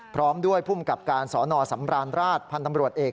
พร้อมด้วยภูมิกับการสนสำราญราชพันธ์ตำรวจเอก